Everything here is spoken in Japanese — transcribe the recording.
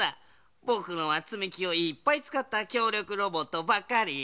ぼくのはつみきをいっぱいつかったきょうりょくロボットばっかり。